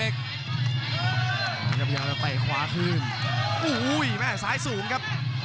เอาไปว่าคือแม่สายสูงครับ